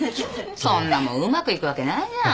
そんなもんうまくいくわけないじゃん。